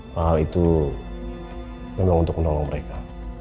pak al itu memang untuk menolong mereka